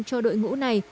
cho đội ngũ này